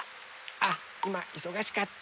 あっいまいそがしかった。